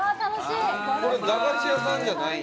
これ駄菓子屋さんじゃないん？